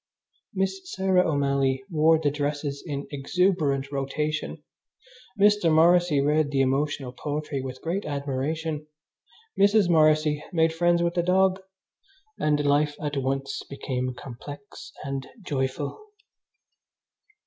Miss Sarah O'Malley wore the dresses in exuberant rotation, Mr. Morrissy read the emotional poetry with great admiration, Mrs. Morrissy made friends with the dog, and life at once became complex and joyful.